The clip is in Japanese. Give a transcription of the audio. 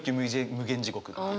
無間地獄っていう。